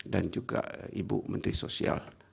dan juga ibu menteri sosial